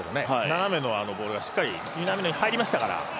斜めのボールがしっかり南野に入りましたから。